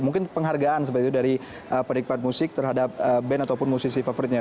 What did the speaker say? mungkin penghargaan seperti itu dari penikmat musik terhadap band ataupun musisi favoritnya